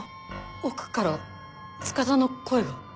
奥から塚田の声が。